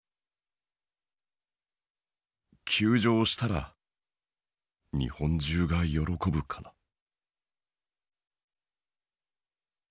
「休場したら日本中が喜ぶかな？」。